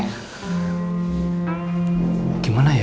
kursi keras lagi ya